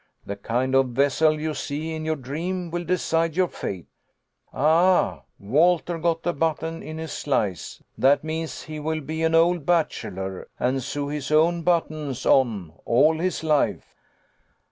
The kind of vessel you see in your dream will decide your fate. Ah, Walter got the button in his slice. That means he will be an old bachelor and sew his own buttons on all his life."